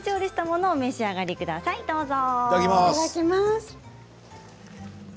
いただきます。